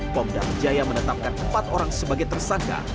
pom damjaya menetapkan empat orang sebagai tersangka